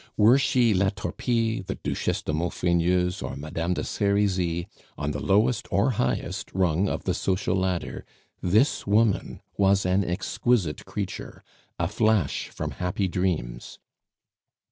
Were she La Torpille, the Duchesse de Maufrigneuse, or Madame de Serizy, on the lowest or highest rung of the social ladder, this woman was an exquisite creature, a flash from happy dreams.